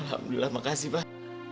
alhamdulillah makasih pak